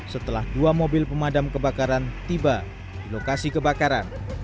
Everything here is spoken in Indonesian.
setelah dua mobil pemadam kebakaran tiba di lokasi kebakaran